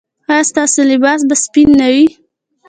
ایا ستاسو لباس به سپین نه وي؟